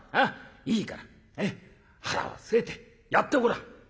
いいから腹を据えてやってごらん」。